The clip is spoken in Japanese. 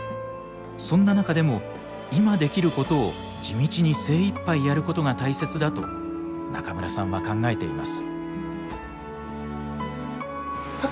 そんな中でも今できることを地道に精いっぱいやることが大切だと中村さんは考えています。